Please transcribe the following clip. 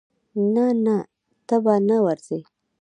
نه نه ته به نه ورزې.